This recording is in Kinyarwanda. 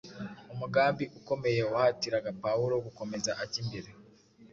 Umugambi ukomeye wahatiraga Pawulo gukomeza ajya imbere